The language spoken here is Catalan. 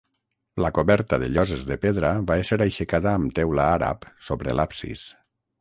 La coberta de lloses de pedra va ésser aixecada amb teula àrab sobre l'absis.